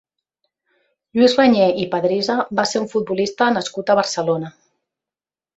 Lluís Reñé i Padrisa va ser un futbolista nascut a Barcelona.